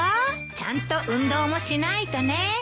ちゃんと運動もしないとね。